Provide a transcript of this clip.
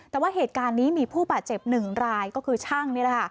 แต่ว่าเหตุการณ์นี้มีผู้บาดเจ็บหนึ่งรายก็คือช่างนี้